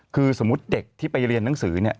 คือสมมุติเด็กที่ไปเรียนหนังสือเนี่ย